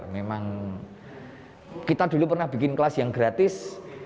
memang kita dulu pernah bikin kelas yang gratis